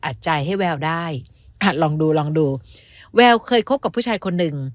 ใจให้แววได้ลองดูลองดูแววเคยคบกับผู้ชายคนหนึ่ง